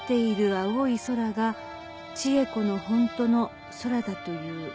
青い空が智恵子のほんとの空だといふ」